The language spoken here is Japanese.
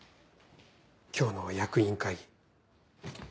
今日の役員会議。